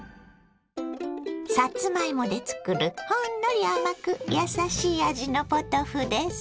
さつまいもで作るほんのり甘くやさしい味のポトフです。